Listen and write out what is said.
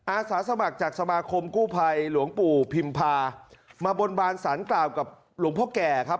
อาสาสมัครจากสมาคมกู้ภัยหลวงปู่พิมพามาบนบานสารกล่าวกับหลวงพ่อแก่ครับ